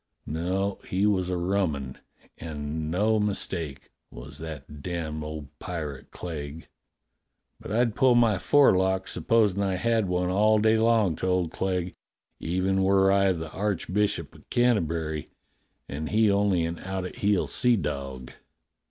No, he was a rummun, and no mistake, was that damned old pirate Clegg. But I'd pull my forelock, supposing I had one, all day long to old Clegg, even were I the Archbishop of Canterbury and he only an out at heel seadog.